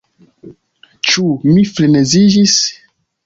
Ĉu mi freneziĝis?